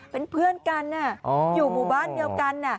เป็นเพื่อนกันอยู่หมู่บ้านเดียวกัน